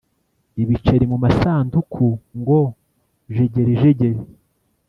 Ibiceri mu masanduku ngo jegerijegeri